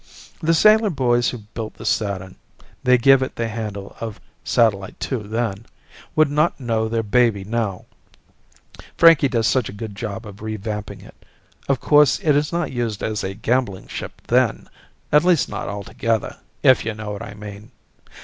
The sailor boys who build the Saturn they give it the handle of Satellite II then would not know their baby now, Frankie does such a good job of revamping it. Of course, it is not used as a gambling ship then at least not altogether, if you know what I mean.